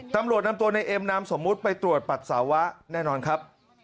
ตำรวจนำตัวในเอ็มนามสมมุติไปตรวจปัสสาวะแน่นอนครับ